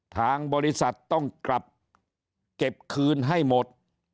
ทางบริษัทต้องกลับเก็บคืนให้หมด